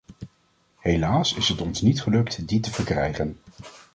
Helaas is het ons niet gelukt die te verkrijgen.